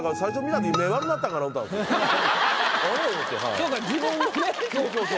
そうか自分のね。